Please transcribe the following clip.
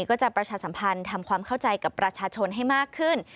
ประชาสัมพันธ์ทำความเข้าใจกับประชาชนให้มากขึ้น